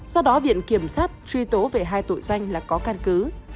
sau đó viện kiểm sát truy tố về hai tội danh là có căn cứ